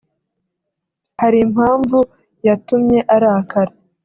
Hari impamvu yatumye urakara